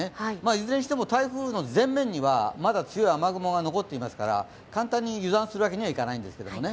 いずれにしても台風の前面にはまだ強い雨雲が残っていますから簡単に油断するわけにはいかないんですけどもね。